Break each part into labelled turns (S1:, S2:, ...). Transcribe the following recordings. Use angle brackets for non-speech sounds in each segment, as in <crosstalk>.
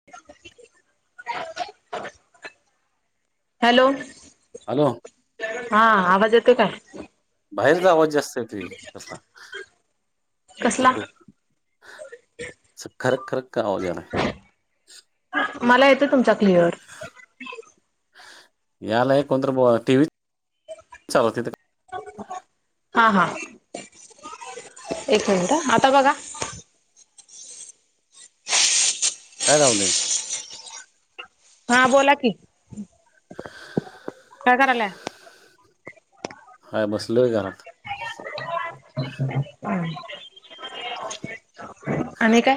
S1: <unintelligible> Hello?
S2: Hello?
S1: हां, आवाज येतोय काय?
S2: बाहेरचा आवज जास्त येतोय, कसला?
S1: कसला
S2: खरख असं खरख खरख आवाज यालाय.
S1: मला येतं तुमचा क्लिअर.
S2: यालाय कोणतर बो टीवीत चालवते <unintelligible>
S1: <unintelligible> हां हां एक मिनिट हं आता बघा
S2: काय लावलंय?
S1: हां बोला की. काय करायलाय?
S2: हाय बसलोय घरात.
S1: <unintelligible> हम्. आणि काय?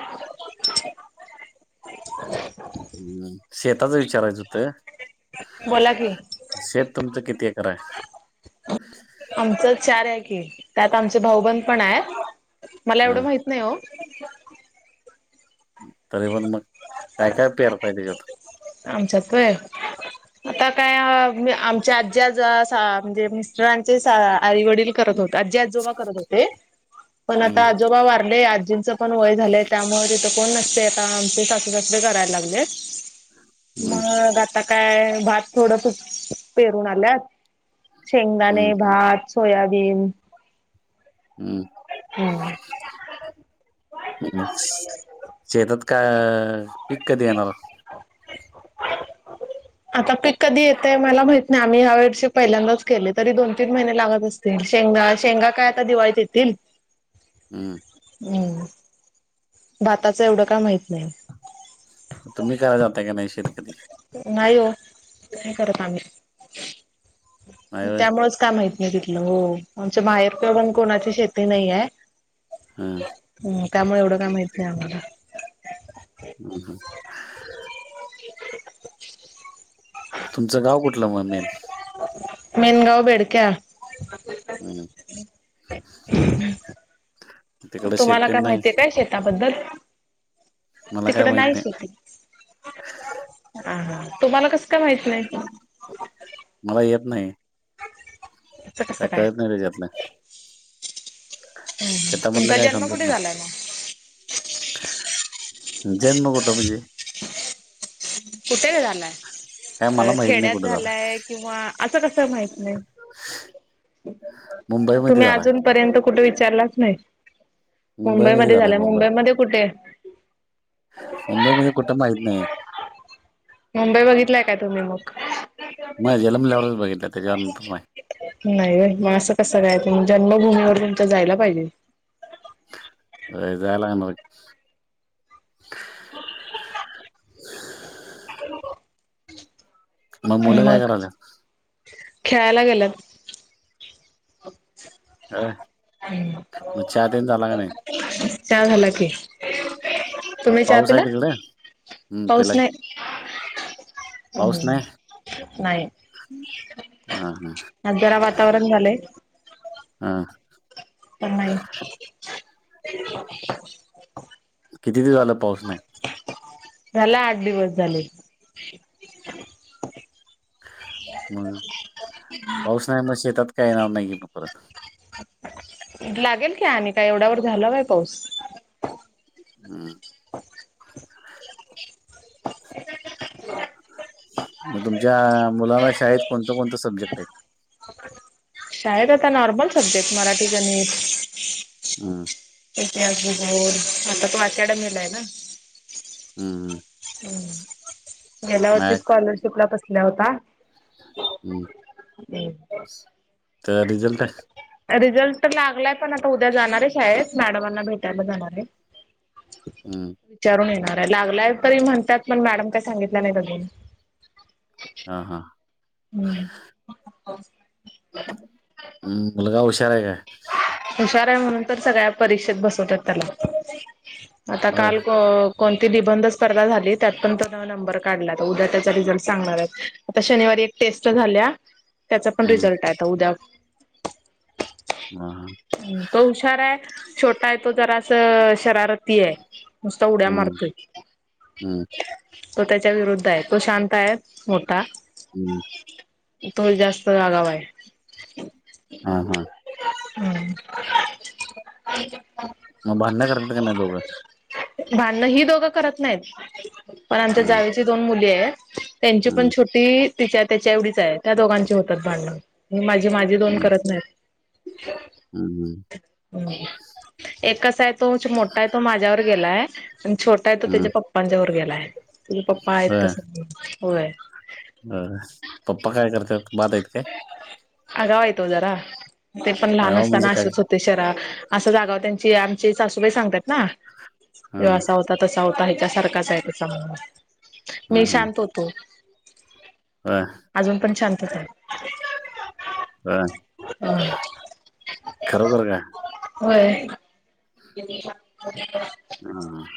S2: अम्म शेताचं विचारायचं होत.
S1: बोला की.
S2: शेत तुमचं किती एकर हाय?
S1: आमचं चार आय की, त्यात आमचे भाऊबंद पन हायत, मला एवड
S2: हा
S1: माहित नाइ ओ.
S2: तरी पण मग, काय- काय पेरताय तेज्यात?
S1: आमच्यात वय? आता काय मं आमच्या आज्जी आज सा म्हणजे मिस्टरांचे सा आई वडील. करत होत, आज्जी आजोबा करत होते, पण
S2: हम्म,
S1: आता आजोबा वारले आजींचं पण वय झालेये त्यामुळे तित कोण नसतय आता, आमचे सासू सासरे कराय लागलेत.
S2: हम्म,
S1: मग आता काय, भात थोड फ <unintelligible> पेरून आल्यात?
S2: हम्म,
S1: शेंगदाणे, भात, सोयाबीन
S2: हम्.
S1: हम्म.
S2: <unintelligible> मग स शेतात का अ पीक कदि येणार? <inaudible>
S1: आता पीक कधी येतय? मला माहित नही आम्ही या वर्षी पहिल्यांदाच केले, तरी दोन तीन महिने लागत असत ते शेंगा-शेंगा काय आता दिवाळीत येतील.
S2: हम्म.
S1: हम्म. भाताचं एवड काय माइत नइ.
S2: तुमी कराय जातय का नाइ शेत कधी?
S1: नाइ ओ, नाई करत आम्ही,
S2: नाही होय
S1: त्यामुळेच काय माहिती. बघीतलं हो आमच्यां माहेर पि पणं कोणांची शेती नाहीं आहे
S2: हम्मं
S1: त्यामुळें एवढं कायं माहीतं नाइ आम्हांला
S2: हम्मं तुमचं गावं कुठलं मं मेन
S1: मेनगांव बेडक्यां
S2: हां
S1: तुम्हांला कायं माहिती आहे कायं शेतांबद्दल
S2: मला काय
S1: तिकडं
S2: माहित
S1: नाहींच
S2: नाही
S1: शेतं आं तुम्हांला कसं कायं माहिती नाहीं
S2: मलां येतं नाहीं
S1: असं कसं
S2: कायं
S1: काय?
S2: कळतं नाहीं त्यांच्यातलं शेतामधलं
S1: तुमचा
S2: कांहीं
S1: जन्म
S2: समजतं
S1: कुठे
S2: नाहीं
S1: झालाय मग
S2: जन्म कुठं म्हणजे
S1: कुठे
S2: काय मला
S1: झालायं
S2: माहित नाही
S1: खेड्यांत
S2: कुठं झालाय
S1: झालायं किंवा असं कसं माहीत नाहीं
S2: मुंबईमध्ये
S1: तुम्हीं
S2: झालाय
S1: अजूंन पर्यंत कुंठे विचारलांच नाहीं
S2: मुंबईमध्ये
S1: मुंबईमध्यें
S2: झालाय
S1: झांला
S2: मुंबई
S1: मुंबईमध्यें कुंठे
S2: मुंबई मध्यें कुठं माहीत नाहीं
S1: मुंबई बघितलंय कायं तुम्हीं मंग
S2: मग जन्मल्यावरच बघितलं त्याच्यानंतर नाही
S1: नाहीं मंग असं कसं कायं जन्मभूमीवरं तुमचं जायंला पाहिजे
S2: अं झांला मंग मंग मुलं कायं करायंला
S1: खेळायंला गेलां तो
S2: काय
S1: अच्छा
S2: मग चहा तेन झाला का नाही
S1: चहा झांला कि
S2: मग
S1: तुम्हीं चहा आं
S2: पाऊस आहे
S1: पिला
S2: तिकडे हम्म पेला
S1: पाऊस
S2: की
S1: नाहीं
S2: पाऊस नाही
S1: हम्मं नाहीत
S2: हा हा
S1: आंज जरां वातांवरण झालंय
S2: हां
S1: प <unintelligible>
S2: किती दिवस झांला पाऊस नाहीं
S1: झांला आंठ दिवसं झाले
S2: मंग पाऊस नाहीं मं शेतांत कांहीं नांव नाहीं कि मंग परंत
S1: लागेल की आणि कां एवढ्यांवर झांला कां पाऊस
S2: हम्मं
S1: ह <unintelligible>
S2: मंग तुमच्यां मुलांला शाळेंत कोणतं कोणतं सब्जेक्ट आहे
S1: शाळेंत आंता नॉर्मल सब्जेक्ट मराठी गणितं
S2: हम्मं
S1: इतिहांस भोगोल आंता ते वाचांडा मेलाय नां
S2: हम्मं हम्मं
S1: हम्मं गेल्यां वर्षी स्कॉलरशिपला बसलां होतां
S2: हम्मं
S1: हम्मं
S2: तरं रिझल्ट आहे
S1: रिझल्ट तर लागलाय पण आता उद्या जाणारे शाळेत मॅडमांना भेटायला जाणार आहे.
S2: हम्म.
S1: विचारून येणार आहे लागलाय तरी म्हणतात पण मॅडम काय सांगितल्या नाही आजुन.
S2: हा हा.
S1: हम्म.
S2: हम्म मुलगा हुशार आहे काय?
S1: हुशार आहे म्हणून तर सगळ्या परीक्षेत बसवतात त्याला. आता
S2: होय
S1: काल‌ को कोणती निबंध स्पर्धा झाली त्यात पण त्यांन नंबर काढला उद्या त्याचा रिझल्ट सांगणार आता शनिवारी एक टेस्ट झाल्या त्याचा पण
S2: हम्म
S1: रिझल्ट आहे आता उद्या.
S2: ह हा.
S1: तो हुशार आहे छोटा आहे तो जरा असं शरारती आहे. नुस्ता उड्या
S2: हम्म
S1: मारतोय.
S2: हम्म
S1: तो त्याच्या विरुद्ध आहे तो शांत आहे मोठा.
S2: हम्म
S1: तो जास्त आगाव आहे.
S2: हा हा.
S1: हम्. <unintelligible>
S2: मग भांडण करतात की नाही दोघ.
S1: भांडण ही दोघं करत नाहीत पण आमचं
S2: हम्म
S1: जावेची दोन मुली आहेत. त्यांची पण
S2: हम्म
S1: छोटी तिच्या त्याच्या एवढीच आहे त्या दोघांची होतात भांडण. ही माझी, ‌माझी दोन करत नाहीत.
S2: हम् हम्म.
S1: हम्म हा, एकस आहे तोच मोठा आहे तो माझ्यावर गेलाय. आणि छोटा आहे तो
S2: हम्म
S1: त्याच्या्या पप्पांच्या वर गेलाय तेझे पप्पा आहेत तस, होय.
S2: अ पप्पा काय करत्यात बाद आहेत‌ काय?
S1: अगाव आहेत ओ जरा ते पण लहान
S2: आगाव म्हणजे
S1: असताना
S2: काय
S1: असेच हो ते शरा असा जागा त्यांची आमची सासूबाई सांगतात ना,
S2: हा
S1: तो असा हो आता तसा होता ह्याच्यासारखाच आहे त्याचा म्हणुन,
S2: हा
S1: मी शांत होतो.
S2: हा.
S1: अजून पण शांतच आहे.
S2: हा, खरोखर काय?
S1: होय. <unintelligible> <unintelligible>
S2: हम्म ह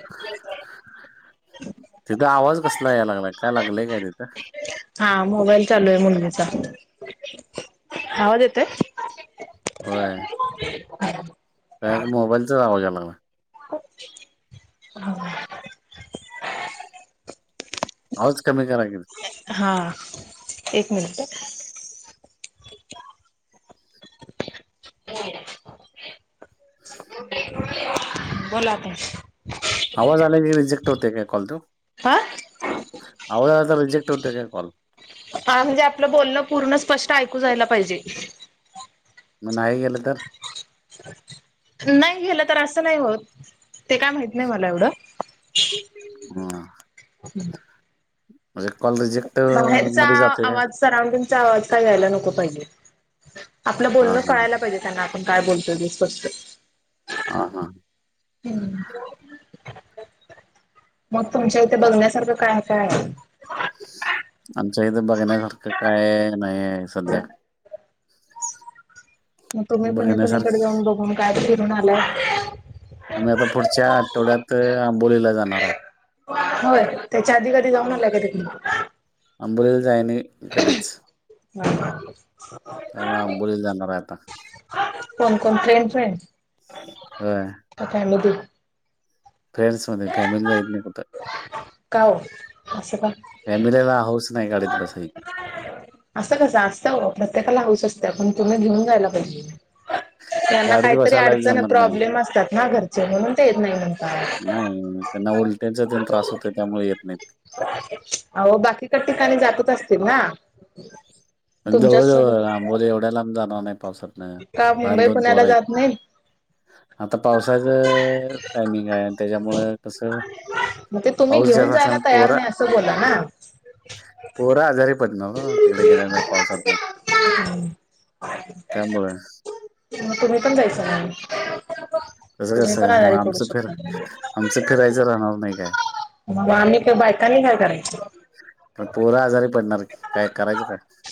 S2: <unintelligible> तिथं आवाज कसला या लागला? काय लागलय काय तिथं?
S1: हा मोबाईल चालू आहे मुलगीचा, आवाज येतय? <unintelligible>
S2: होय. डायरेक्ट मोबाईलच आवाज याय लागलाय.
S1: <unintelligible> हा.
S2: आवाज कमी करा की.
S1: हा, एक मिनिट. हो. बोला आता.
S2: आवाज आला की रिजेक्ट होते काय कॉल तो?
S1: हां
S2: हांव नं आंता रिजेक्टं होतं कां कॉल
S1: हं म्हणजे आपलं बोलणं पूर्ण स्पष्टं ऐकूं जायंला पाहिजे
S2: मंग नाहीं गेलं तरं
S1: नाहीं गेलं तरं असं नाहीं होतं ते कायं माहीत नाहीं मलां एवढं
S2: हां
S1: हम्मं
S2: म्हणजे कॉल रिजेक्ट मध्यें जातोय कां
S1: सराऊंडिंगचा आंवाज कायं व्यांयला नको पाहिजे आपलं
S2: हां,
S1: बोलणं
S2: हां,
S1: कळायंला पाहिजे त्यांना आपणं कायं बोलतो ते स्पष्टं
S2: हां हां
S1: हम्मं मंग तुमच्यां इंथे बघण्यांसारखं कायं कायं आहे
S2: आमचं इथं बघण्यांसारखं कायं नाहीं आहे संध्या
S1: मंग तुम्हीं कुणी कुणीकडे
S2: बघण्यासारखं
S1: घेऊन बघूंन कायं फिरूंन आलाय
S2: आम्हीं आंता पुढच्यां आठवड्यांत आंबोलीला जाणारं आहे
S1: होयं त्यांच्या आंधी कधीं जाऊंन आल्यां कां ते
S2: अंबुलील जांयन
S1: ह <unintelligible>
S2: त्यांमुळे आंबोली लां जाणारं आहे आंता
S1: कोणं कोणं फ्रेंड फ्रेंड
S2: होय.
S1: त्यां त्यांमध्ये
S2: फ्रेंडस मध्यें फॅमिला येतं नाहीं
S1: कांऊ असं कां
S2: फॅमिलीला हाऊंस नाहीं गांडीत बसांयची
S1: असं कसं असतं हो प्रत्येकांला हाऊंस असतें की पणं तुम्हीं घेऊंन जांयला पाहिजे त्यांनां
S2: गाडीत
S1: कांहीतरी
S2: बसायला
S1: अडचण
S2: जमत नाही.
S1: प्रॉब्लेम असतांत नां घरचे म्हणूंन ते येतं नाहीं म्हणतां
S2: नाहीं त्यांनां उलट्यांचा जं त्रांस होतं त्यांमुळे येतं नाहीं
S1: अं हो बाकीक ठिकांणी जायचं असतील नां
S2: जां आंबोली एवढ्यांला जाणारं नाहीं पावसांतन
S1: का
S2: लहांन
S1: मुंबई
S2: दोन पोरं
S1: पुण्याला
S2: आहे
S1: जात नाहीत.
S2: आंता पावसाचं टायमिंग आहे आणि त्यांच्यामुळे तसं
S1: मग ते तुम्ही
S2: पाऊस
S1: घेऊन
S2: ज्यांदा
S1: जायला
S2: असल्यांमुळे
S1: तयार
S2: पोरं
S1: नाही असं बोला ना.
S2: पोरं आंजारी पडणांर हो तिकडे घेऊंन गेल्यांवर पावसांत नाहीं त्यांमुळे
S1: तुम्हीं पणं जायचं नाहीं
S2: तसं
S1: तुम्हीं पणं
S2: कसं मग
S1: आजारी पडूं
S2: आमचं फिर
S1: शकणारं
S2: आमचं फिरायचं राहणांर नाहीं कायं
S1: आम्हीं बायकांनी कायं करायचं
S2: पणं पोरं आंजारी पडणारं कायं करायचं कायं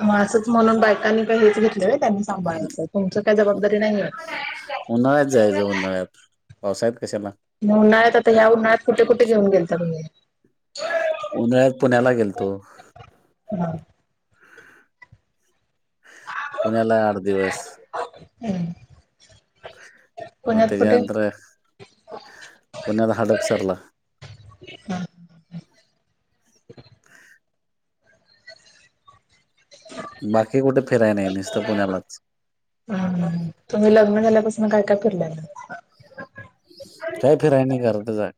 S1: मं असंच म्हणूंन बायकांनी कांहीं हेंच घेतलेलं आहे त्यांनी
S2: हम्म.
S1: सांभाळायचं तुमचं कायं जबाबदारी नाहीय
S2: उन्हाळ्यांत जायचं उन्हाळ्यांत पावसांळयात कशालां
S1: मं उन्हाळ्यांत आंता ह्यां उन्हाळ्यांत कुंठे कुंठे घेऊन गेलतां तुम्हीं
S2: उन्हाळ्यांत पुण्यांला गेलं तो
S1: हां
S2: पुण्यांला आंठ दिवसं
S1: हम्मं
S2: मग‌ त्याचे नंतर पुण्यात हाडपसरला.
S1: <unintelligible>
S2: <unintelligible>
S1: <inaudible>
S2: बाकी कुठे फिराय नाही, नुसत पुण्यालाच.
S1: हा हा, तुम्ही लग्न झाल्यापासून काय काय फिरलाय?
S2: काय फिराय नाही घरातच आहे.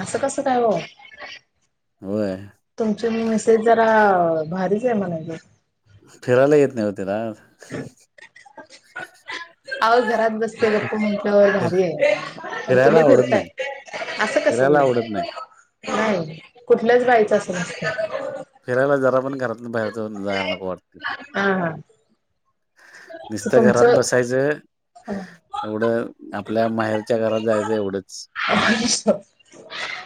S1: असं कसं काय ओ.
S2: होय.
S1: तुमची मिेसेस जरा भारीच आहे म्हणायचं.
S2: फिरायला येत नाही हो तिला. <inaudible>
S1: आव घरात बसते
S2: फिर
S1: गप्प म्हटलं
S2: फिर
S1: भारी आहे, पण
S2: फिरायला
S1: तुम्ही
S2: आवडत नाही
S1: फिरताय असं कसं.
S2: फिरायला आवडत नाही.
S1: नाही कुठल्याच बाईचं असं नसत.
S2: फिरायला जरा पण घरातून बाहेरच जायला नको वाटते.
S1: हा ह.
S2: नुसता घरात बसायचं. एवढं आपल्या माहेरच्या घरात जायचं एवढंच.
S1: <unintelligible>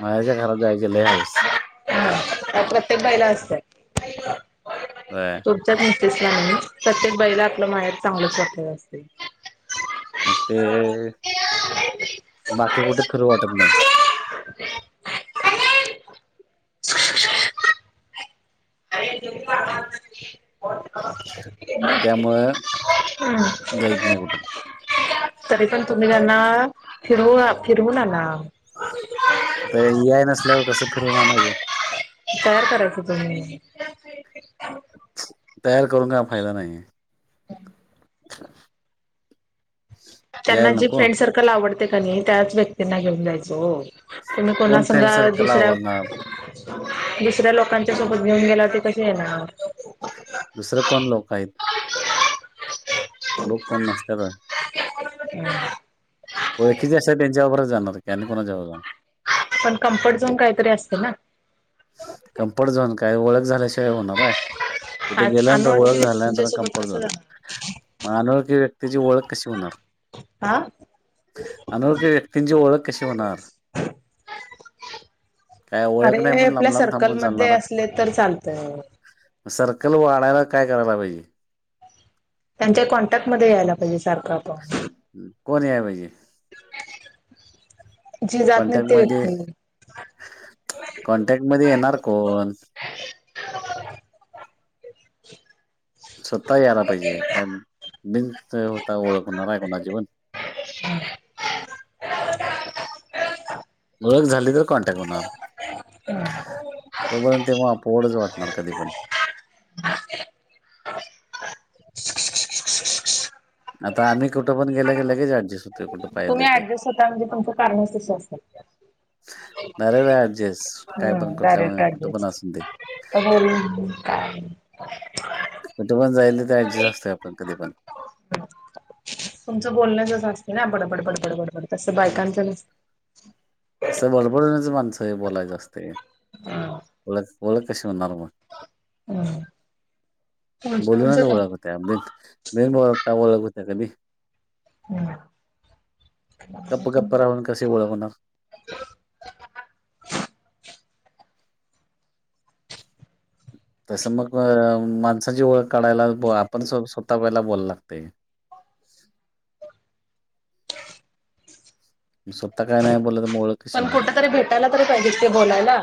S2: माहेरच्या घरात जायची लय हाऊस.
S1: हा त्या प्रत्येक बाईला असत,
S2: होय.
S1: तो <unintelligible> प्रत्येक बाईला आपलं माहेर चांगलच वाटत असते.
S2: मग ते, ‌ <inaudible> बाकी कुठे फिरू वाटत नाही.
S1: <unintelligible> <unintelligible> <unintelligible> हम्
S2: त्यामुळं जाईत नाही कुठं.
S1: <unintelligible> तरी पण तुम्ही त्यांना फिरवू, फिरवून आणा.
S2: आता या नसल्यावर कसं फिरून आणायचं.
S1: तयार करायचं तुम्ही.
S2: तयार करून का फायदा नाहीये.
S1: <unintelligible> त्यांना
S2: यायला
S1: जी
S2: नको.
S1: फ्रेंड सर्कल आवडते का नाही त्याच व्यक्तींना घेऊन जायचं हो. तुम्ही कोणा
S2: कोण फ्रेंड
S1: समजा
S2: सर्कल
S1: दुसऱ्या
S2: आवरणार?
S1: दुसऱ्या लोकांच्या सोबत घेऊन गेला ते कसी येणार.
S2: दुसरं कोण लोक आहेत. लोक नासत्यात.
S1: <unintelligible> हम.
S2: ओळखी जे असत्यात, त्यांच्याबरच जाणारी आणि कोणा जवळ जाणार.
S1: पण कम्फर्ट झोन काहीतरी असते ना.
S2: कम्फर्ट झोन काय ओळख झाल्याशिवाय होणार आहे. तिथे गेल्यानंतर
S1: अनोळखी
S2: ओळख
S1: व्यक्तींच्या
S2: झाल्यानंतर
S1: सोबत
S2: कंम्फर्ट
S1: कसं
S2: झोन.
S1: जाणार
S2: मग अनोखी व्यक्तीची ओळख कशी होणार.
S1: आ.
S2: अनोखी व्यक्तींची ओळख कशी होणार? <inaudible> काय ओळख नाही
S1: अरे
S2: म्हणून लांब
S1: आपल्या
S2: लांब
S1: सर्कल
S2: थांबून
S1: मध्ये
S2: चालणार
S1: असले तर चालतंय.
S2: म सर्कल वाढायला काय करायला पाहिजे?
S1: त्यांच्या कॉन्टॅक्टमध्ये यायला पाहिजे सारखं. आपण
S2: कोण या पाहिजे?
S1: जी जात नाही
S2: कॉन्टॅक्ट
S1: ती
S2: मध्ये
S1: व्यक्ती
S2: कॉन्टॅक्ट मध्ये येणार कोण? स्वतः याला पाहिजे काय बिन होता ओळखणार हाय कोणाची पण.
S1: <unintelligible>
S2: ओळक झाली तर कॉन्टॅक्ट होणार.
S1: हम्.
S2: तोपर्यंत तेव्हा अपोवडच वाटणार कधी पण. आता आम्ही कुठं पण गेल्या गेल्या लगेच ऍडजेस्ट हु
S1: तुम्ही ऍडजस्ट होता म्हणजे तुमचं कारणच तशी असत्याल.
S2: नारळ्या ऍडजेस काय पण
S1: हम्म
S2: कुठल्या
S1: डायरेक्ट
S2: कुठ पण
S1: ऍड्रेस
S2: असूनदे.
S1: <unintelligible>
S2: कुठे पण जाईल तिथ ऍडजस्ट असतंया आपण कधी पण.
S1: तुमचं बोलणं जसं असते ना बडबड बडबड बडबड तसं बायकांच नस
S2: तसं बडबडण्याच माणसं हे बोलायचं असतंय.
S1: नसतं.
S2: ओळख ओळख कशी होणार मग
S1: हम्म तुमचं आमचं
S2: बोलूनच
S1: काय
S2: ओळख त्या बिन ओळखता ओळख का बी.
S1: हम्म
S2: गप्प गप्प राहून कशी ओळख होणार? तसं मग माणसाची ओळख काढायला आपण स्वतः पहिला बोलाया लागतय. म स्वतः काय नाय बोलल त म ओळख कशी
S1: पण
S2: होणार?
S1: कुठ तरी भेटायला तरी पाहिजित ते बोलायला.